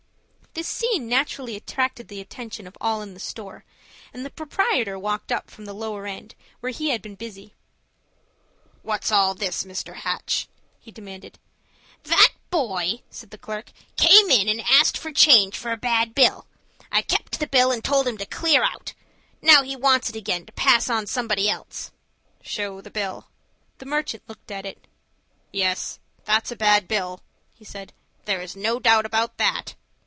This scene naturally attracted the attention of all in the store, and the proprietor walked up from the lower end, where he had been busy. "What's all this, Mr. Hatch?" he demanded. "That boy," said the clerk, "came in and asked change for a bad bill. I kept the bill, and told him to clear out. Now he wants it again to pass on somebody else." "Show the bill." The merchant looked at it. "Yes, that's a bad bill," he said. "There is no doubt about that."